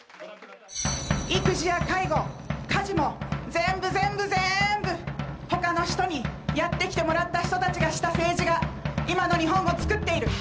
育児や介護家事も全部全部ぜーんぶ他の人にやってきてもらった人たちがした政治が今の日本をつくっている。